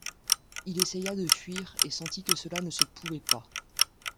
Il essaya de fuir et sentit que cela ne se pouvait pas.